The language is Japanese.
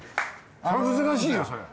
難しいよそれは。